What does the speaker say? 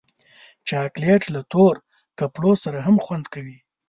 چاکلېټ له تور کپړو سره هم خوند کوي.